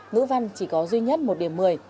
ngữ văn chỉ có duy nhất một điểm một mươi